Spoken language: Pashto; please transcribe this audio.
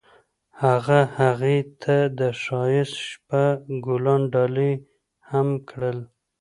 هغه هغې ته د ښایسته شپه ګلان ډالۍ هم کړل.